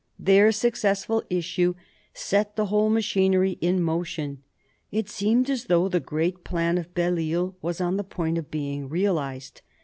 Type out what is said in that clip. Theijp successful issue set the whole machinery in motion. It seemed as though the great plan of Belleisle was on the point of being realised.